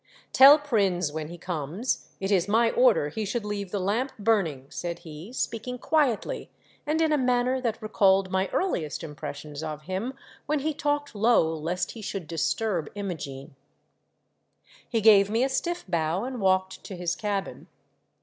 " Tell Prins when he comes, it is my order he should leave the lamp burning," said he, speaking quietly and in a manner that recalled my earliest impressions of him when he talked low lest he should disturb Imogene. He gave me a stiff bow and walked to his cabin.